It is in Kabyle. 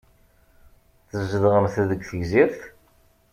Tzedɣemt deg Tegzirt?